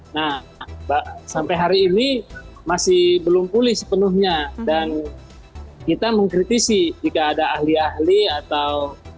nah sampai hari ini masih belum pulih sepenuhnya dan kita mengkritisi jika ada ahli ahli atau